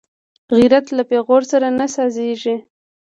غیرت له پېغور سره نه سازېږي